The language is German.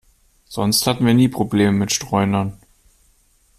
Sonst hatten wir nie Probleme mit Streunern.